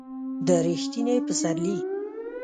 د ر یښتني پسرلي